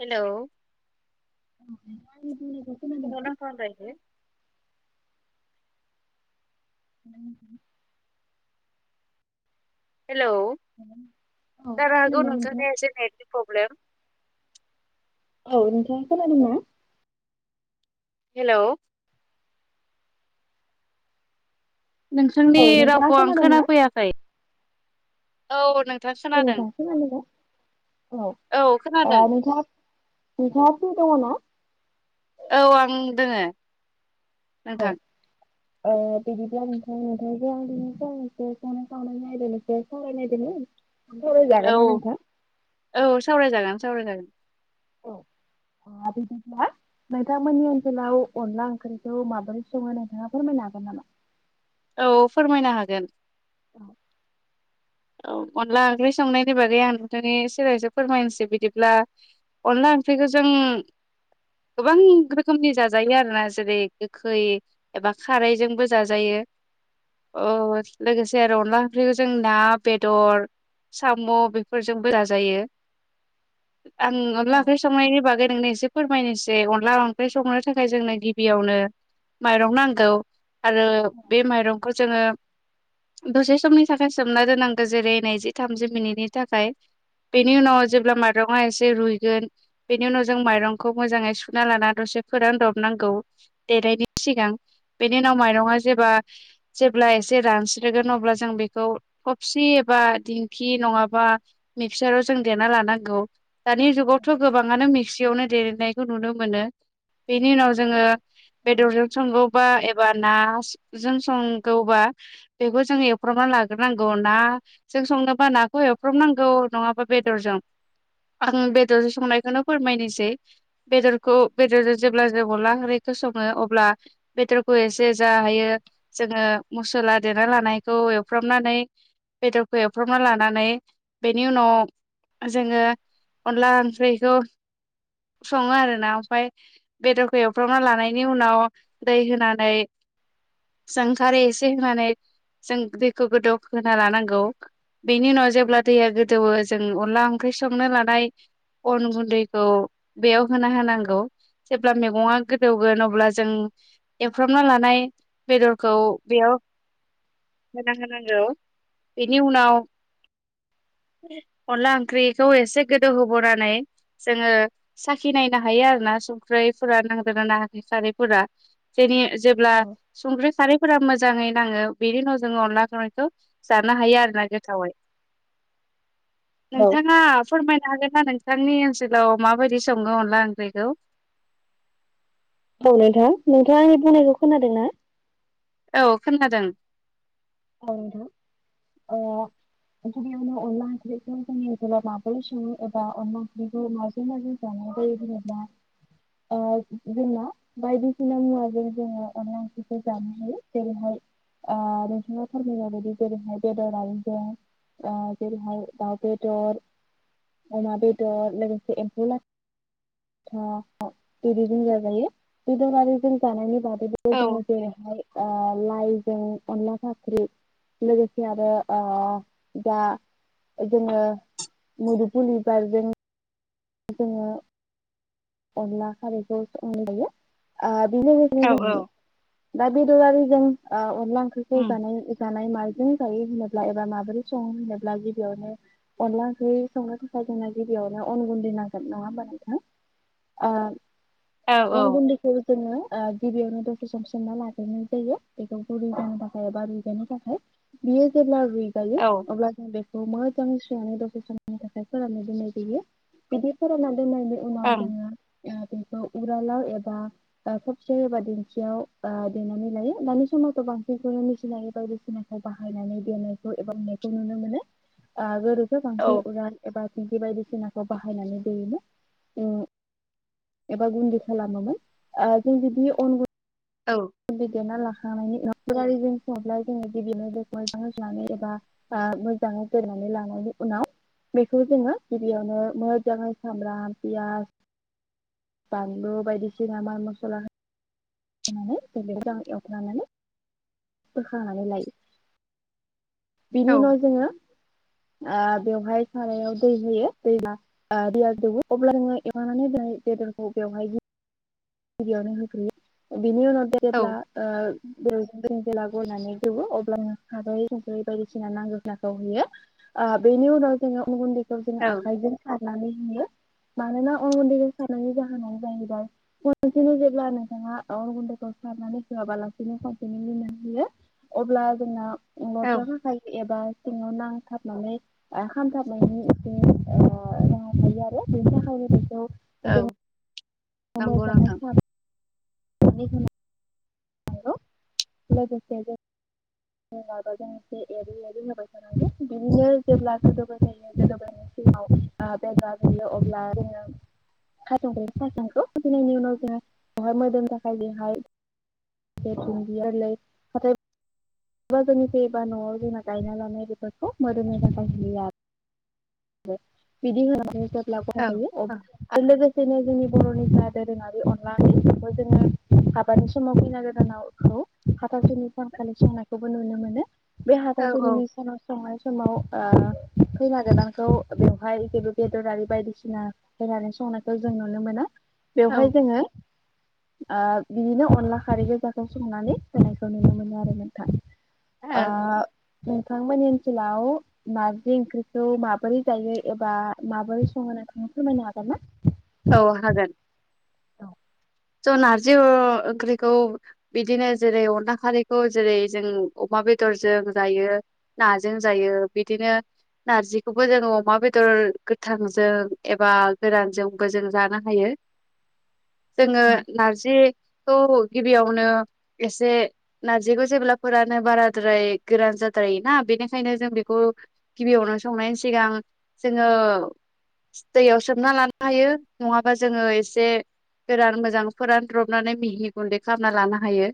Hello [inaudible] [unintelligible] [inaudible] hello औ जानो हागौ खोनादोंना नोंथां? नोंथांनिआ एसे नेटनि प्रब्लेम। औ नोंथां खोनादोंना? हेलौ नोंथांनि औ नोंथाङा रावखौ आं खोनादोंना? खोनाफैयाखै औ। नोंथां [unintelligible] औ खोनादों औ ओ खोनादों नोंथाङा नोंथाङा फ्रि दङ ना? औ आं दोङो औ नोंथां। ओ बिदिब्ला नोंथां नोंथांजों आं दिनै फंनैसो संनाय खावनायनि आयदानि सायाव सावरायनो नायदोंमोन। सावराय औ जागोन ना नोंथां? औ सावरायजागोन सावरायजागोन। औ ओ बिदिब्ला नोंथांमोननि ओनसोलाव अनला ओंख्रिखौ माबोरै सङो नोंथाङा फोरमायनो हागोन नामा? औ फोरमायनो हागोन। औ औ अनला ओंख्रि संनायनि बागै आं नोंथांनि सेराय एसे फोरमायसै बिदिब्ला अनला ओंख्रिखौ जों गोबां रोखोमनि जाजायो आरोना जेरै गोखै एबा खारैजोंबो जाजायो। औ लोगोसे आरो अनला ओंख्रिखौ जों ना बेदर साम' बेफोरजोंबो जाजायो। आं औ अनला ओंख्रि संनायनि बागै नोंनो एसे फोरमायनोसै अनला ओंख्रि संनो थाखाय जोंनो गिबियावनो माइरं नांगौ। आरो बे माइरंखौ जोङो दसे समनि थाखाय सोमना दोननां गौ जेरै नैजि थामजि मिनिटनि थाखाय बेनि उनाव जेब्ला माइरं आ एसे से रुइगोन बेनि उनाव जों माइरंखौ मोजाङै सुना लाना दसे फोरान दबनांगौ‌ दे देनायनि सिगां बेनि उनाव माइरं आ जेबा जेब्ला एसे रानस्रोगोन अब्ला जों बेखौ [inaudible] सि एबा दिंखि नङाबा मिक्साराव जों देना लानांगौ। दानि जुगावथ' गोबाङानो मिक्सियावनो देग्लिनायखौ नुनो मोनो बेनि उनाव जोङो बेेदरजों संगौबा एब बा ना जों संगौबा बेखौ जोंङो एवफ्रामनानै लाग्रोनांगौ। खौ ना जों संनोबा नाखौ एवफ्रामनांगौ नङाबा बेदरजों। आं बेदरजों संनायखौनो फोरमायनोसै बेदरखौ बेदरजों जेब्ला जे अनला ओंख्रि खौ सङो अब्ला बेदरखौ एसे जा हायो जोङो मसला देना लानायखौ एवफ्रामनानै बेदरखौ एवफ्रामना लानानै बेनि उनाव जोङो अनला ओंख्रिखौ सङो आरोना ओमफ्राय बेदरखौ एवफ्रावना लानायनि उनाव दै होनानै जों खारै एसे होनानै जों दैखौ गोदौ होना लानांगौ बेनि उनाव जेब्ला दैया गोदौवो जों अनला ओंख्रि संनो लानाय अन गुन्दैखौ बेयाव होना होनांगौ जेब्ला मैगङा गोदौगोन अब्ला जों एवफ्रामना लानाय बेदरखौ बेयाव होना होनांगौ बेनि उनाव [inaudible] अनला ओंख्रिखौ एसे गोदौ होबोनानै जोंङो साखि नायनो हायो आरोना संख्रैफोरा नांदोंना नांङाखै खारैफोरा दिनै जेब्ला औ संख्रि खारैफोरा मोजांङै नांङो बेनि उनाव जोंङो अनला खांनायखौ जानो हायो आरोना गोथावै औ नोंथांङा फोरमायनो हागोन नोंथांङा नोंथांनि ओनसोलाव माबायदि संङो अनला ओंख्रिखौ औ नोंथां नोंथांङा आंनि बुंनायखौ खोनादों ना औ खोनादों औ ओ अनला ओंख्रिखौ जोंनि ओनसोलाव माबोरै संङो एबा माबोरै माबोरै जायो [unintelligible] ओ जोंला बायदिसिना मुवाजों जोंङो अनला ओंख्रिखौ जानो हायो जेरैहाय ओ [unintelligible] [unintelligible] [unintelligible] अमा बेदर लोगोसे एम्फौ लाथा [unintelligible] बेदरारि जों जानायनि बा बे औ जोंङो जेरैहाय लाइजों अनला फाख्रि ख्रि लोगोसे आरो ओ‌ दा जोंङो मदुमफुल बिबारजों जोंङो अनला खारैखौ संनो जायो आरो बिनो औ औ जोंनि दा बेदरारि जों ओ अनला ओंख्रिखौ उम जानाय जानाय मा जों जायो होनोब्ला एबा माबोरै संङो होनोब्ला गिबियावनो अनला ओंख्रि संनो थाखाय जोंना‌ गिबि अन‌ गुनदै नांगोन नंङा होनबा नोंथां औ ओ‌ अन‌ औ गुन्दैखौ जोंङो ओ गिबियावनो दसे सम सोमना लाग्रोनाय जायो बेखौ गुरुं जानो थाखाय एबा रुुइहोनो थाखाय बियो जेब्ला र‌इगायो औ अमा दाव संङो [unintelligible] थैनामनि उनाव ओं जोंहा बेखौ उरालाव एबा ओ थबसे एबा दिखियाव ओ देनानै लायो दानि समाव खुनु गोबांसिनखौनो मिनथिनानै बायदिसिनाखौ बाहायनानै देनायखौ एबा मेनायखौ नुनो मोनो ओ गोदोथ औ बांसिन उरान एबा दिंखि बायदिसिनाखौ बाहायनानै दैयोमोन उं एबा गुन्दै खालामोमोन ओ जों जुदि अन गुन औ गुन्दै देना ला [unintelligible] सुंङोब्ला जोंङो गिबिनो दैखौ मोजाङै सुनानै एबा ओ मोजांयै दोननानै लानायनि उनाव बेखौ जोंङो गिबियावनो मोजांङै सामब्राम पियास बानलु बायदिसिना माल मसला होनानै बेखौ मोजां एवफ्रामनानै बोखांनानै लायो औ बिनि उनाव जोंङो ओ बेवहाय सारायाव दै होयो दैया ओ जौबो अब्ला नोंङो एवनानै बेदरखौ बेवहाय गिबियावनो होग्रोयो बिनि उनाव जेब्ला औ ओ‌ बे जों जेला गनानै दौवो अब्ला खारै संखै बायदिसिना नांगौखौ होयो बे बेनि उनाव जोंङो उन गुन्दैखौ जोंङो औ आखाइजों सारनानै होयो। मानोना अनगुन्दै सानायनि जाहोनानो जाहैबाय खनसेनो जेब्ला नोंथांङा अर गुन्दैखौ सारनानै होआबालासिनो कनसेनो लनानै होयो अब्ला दा जोंना औ लद्राखाखाय एबा सिंङाव नांथाबनानै खामथाबनायनि इसे अ म थ आरो बिावराव [inaudible] औ। नंगौ मोजाङै नोंथां थां [unintelligible] माबाजों एसे एरै एरै होबाय थानांगौ बिदिनो जेब्ला गोदोबाय जायो गोदोबायनो एसे बेग अब्ला जोङो खाजां [inaudible] साजांखौ फैनायनि उनाव जोंहा बेहाय मोदोम थाखाय बेहाय ल फथाय [inaudible] सोरबा जोंनि फैबा न'आव जोंना गायना लानाय बेफोरखौ मोदोमनि थाखाय हैयो आरो बिदि होनानै जेब्ला गथा औ जायो औ आरो लोगोसे [inaudible] बिदिनो जोंनि बर'नि जा दोरोङारि अनला ओंख्रि बेफोरखौ जोङो हाबानि समाव खैना गोदानखौ हाथासुनि सानखालि संनाय खौबो नुनो मोनो बे औ हाथासुनिनि सानाव संनाय समाव ओ खैना गोदानखौ बेवहाय जेबो बेदरारि बायदिसिना खैनानो सं नायखौ जों नुनो मोना औ बेवहाय जोङो ओ बिदिनो अनला खारै गोजाखौ संनानै होनायखौ नुनो मोनो आरो नोथां ओ औ नोंथांमोननि सकलाव नारजि ओंख्रिखौ माबोरै जायो एबा माबोरै संङो नोंथांआ फोरमायनो हागोन? ना [inaudible] औ हागोन औ। स' नारजि ओंख्रिखौ बिदिनो जेरै अनला खारैखौ जेरै जों अमा बे बेदरजों जायो नाजों जायो बिदिनो नारजिखौबो जोंङो अमा बेदर गोथांजों एबा गोरानजों बो जों जानो हायो जोङो ओ नारजि खौ गिबियावनो एसे नारजिखौ जेब्लाफोरानो बाराद्राय गोरान जाद्राय वोना बेनिखायनो जों बेखौ गिबियावनो संनायनि सिगां जोङो दैयाव सोमना लानो हायो नङाबा जोङो एसे गोरान मोजां फोरानद्रबनानै मिहि गुन्दै खालामना लानो हायो।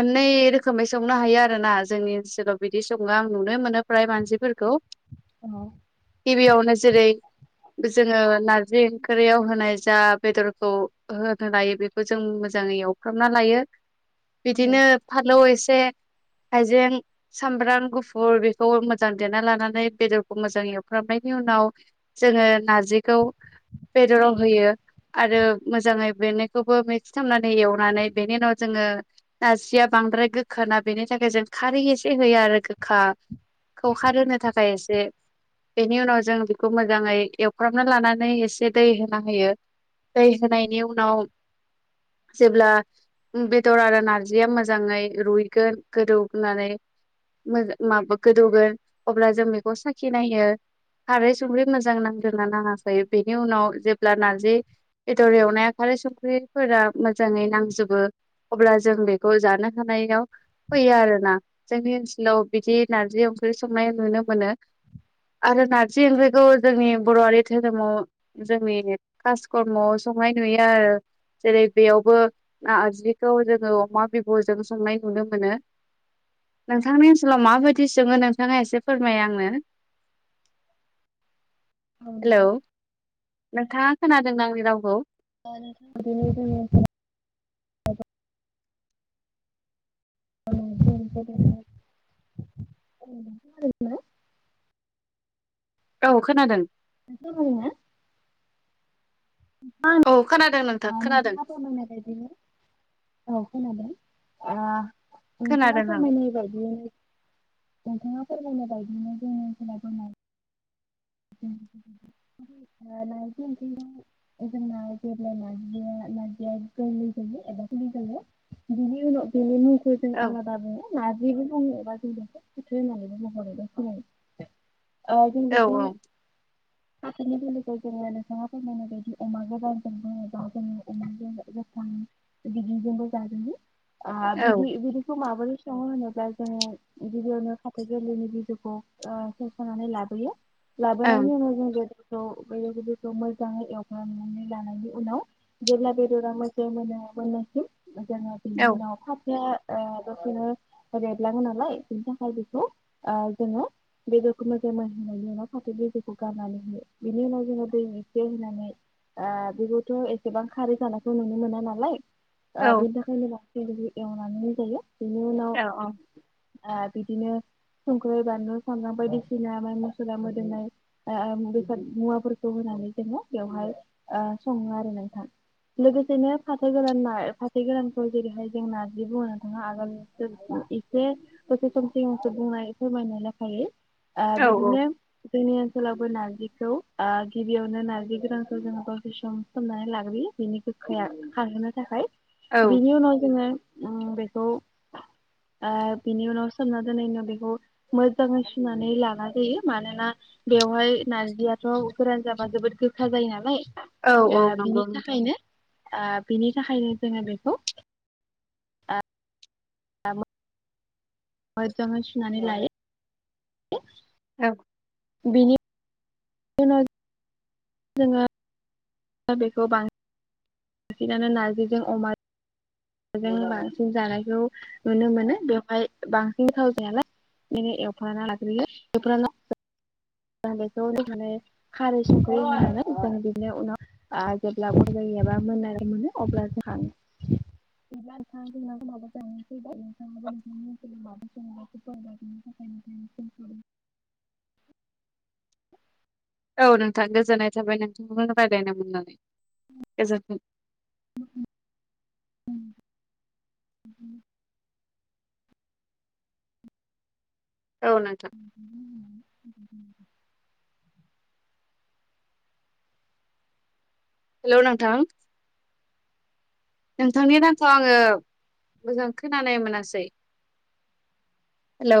मोननै रोखोमै संनो हायो आरोना जोंनि ओनसोलाव बिदि सङो आं नुनो मोनो फ्राय मानसिफोरखौ खौ औ। गिबियावनो जेरै जोङो नारज जि ओंख्रियाव होनाय जा बेदरखौ होनो लायो बेखौ जों मोजाङै एवफ्रामना लायो बिदिनो फालौ एसे हाइजें सामब्राम गुफुर बेखौ मोजां देना लानानै बेदरखौ मोजां एवफ्रामनायनि उनाव जोङो नारजिखौ बेदराव होयो। आरो मोजाङै बेनायखौबो मिक्स खालामनानै एवनानै बेनि उनाव जोङो नारजिया बांसि बांद्राय गोखोना बेनि थाखाय जों खारै एसे होयो आरो गोखाखौ खारहोनो थाखाय एसे बेनि उनाव जों बेखौ मोजाङै एवफ्रामना लानानै एसे दै होना होयो दै होनायनि उनाव जेब्ला बेदर आरो नारजिया मोजाङै रुइगोन गोदौ होनानै माबा गोदौगोन अब्ला जों बेखौ साखिनायो खारै संख्रै मोजां नांदों ना नाङाखै बेनि उनाव जेब्ला नारजि बेदर एवनाया खारै संख्रिफोरा मोजाङै नांजोब अब्ला जों बेखौ जानो हानायाव फैयो आरो ना जोंनि ओनसोलाव बिदि नारजि अमा ओंख्रि संनाय नुनो मोनो आरो नारजि ओंख्रिखौ जोंनि बर'आारि धोरोमाव जोंनि कासकर्मआव संनाय नुयो आरो जेरै बेयावबो नारजिखौ जोङो अमा बिबुजों संनाय नुनो मोनो। नोंथांनि ओनसोलाव माबायदि सङो नोंथाङा एसे फोरमाय आंनो औ हेलौ नोंथाङा खोनादों आंनि रावखौ? [inaudible] [inaudible] औ खोनादों [inaudible] औ खोनादों नों अ नोंथाङाथ' होनलांनाय बायदि, औ खोनादों आ नोंथाङा खोनादों आं फोरमायनाय बायदि [unintelligible] [inaudible] [inaudible] गुलिजोबो बिनि उनाव बिनि मुंखौ जों औ आलादा बुङो [inaudible] आ जों औ बेखौ ओं [inaudible] [unintelligible] बिदिजोंबो जाजायो आ औ औ बिदि बिदिखौ माबोरै सङो होनोब्ला जोङो गिबियावनो फाथो गोरलैनि बिजौखौ ओ खेबस'नानै लाबोयो [unintelligible] बे औ बिजौखौ मोजाङै एवग्रांनानै लानायनि उनाव जेब्ला बेदरा मोजां मोनो मोननायसिम जोङो बेनि उनाव फाथो ओ दसेनो देरलाङो नालाय बिनि थाखाय बेखौ जोङो बेदरखौ मोजां मोनहोनायनि उनाव फाथो बिजौफोरखौ गारनानै होयो बिनि उनाव जों दै एसे होनानै ओ बेबोथ' एसेबां खारै जानायखौ नुनो मोना नालाय औ बेनि थाखायनो बांसि बेखौ एवनानै जायो बेनि उनाव औ ओ बिदिनो संख्रै, बानलु, सामब्राम बायदिसिना माइ मसला मो दोमनाय ओ बेसाद मुवाफोरखौ होनानै जोङो बेवहाय सङो आरो नोंथां [unintelligible] एसे होसे समसिसो बुंनाय फोरमायनाय लेखायै ओ औ बिदिनो जोंनि ओनसोलावबो नारजिखौ ओ गिबियावनो नारजि गोरानखौ जोङो दसेे सम सोमनानै लाग्रोयो बिनि गोखाया खारहोनो थाखाय। बिनि उनाव ओम जोङो बेखौ ओ बिनि उनाव सोमना दोनैनो बेखौ मोजाङै सुनानै लानाय जायो मानोना बेवहाय नारजियाथ' गोरान जाबा जोबोद गोखा जायो नालाय औ आ औ नंगौ बिनि नोंथां थाखायनो आ बिनि थाखायनो जोङो बेखौ [inaudible] मोजाङै सुनानै लायो [inaudible] औ बेनि उनाव जोङो दा बेखौ बांसिनानो नार्जिजों अमा जों बांसिन जानायखौ नुनो मोनो। बेवहाय बांसिन थाव जायालाय मानि एवप्राना लाग्रोयो एवप्राना [inaudible] ज बेखौ होनानै खारै संख्रै होननानै जों बिदिनो उनाव जेब्ला [unintelligible] जायो एबा मोननाय मोनो अब्ला जोंहा [unintelligible] [unintelligible] औ नोंथां गोजोननाय थाबाय नोंथांनो रायज्लायनो मोननानै गोजोन्थों [inaudible] औ नोंथां हेल' नोंथां नोंथांनि रावखौ आङो मोजां खोनानाय मोनासै हेल'